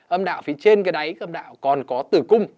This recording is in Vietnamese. âm đạo phía trên cái đáy âm đạo còn có tử cung